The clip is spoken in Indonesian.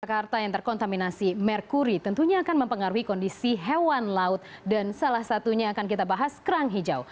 jakarta yang terkontaminasi merkuri tentunya akan mempengaruhi kondisi hewan laut dan salah satunya akan kita bahas kerang hijau